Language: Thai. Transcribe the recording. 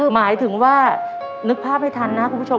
หมายถึงว่านึกภาพให้ทันนะคุณผู้ชม